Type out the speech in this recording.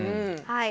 はい。